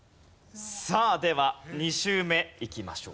さあでは２周目いきましょう。